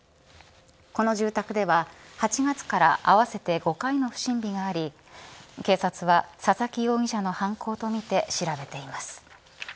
この住宅では８月から合わせて５回の不審火があり警察は佐々木容疑者の犯行とみて調べています。